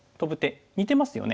似てますよね。